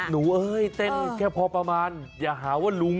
เอ้ยเต้นแค่พอประมาณอย่าหาว่าลุง